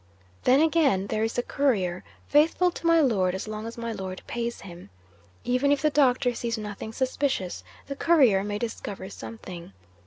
Then, again, there is the Courier, faithful to my Lord as long as my Lord pays him. Even if the Doctor sees nothing suspicious, the Courier may discover something.